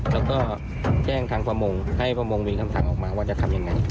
แล้วก็แจ้งทางประมงให้ประมงมีคำสั่งออกมาว่าจะทำยังไง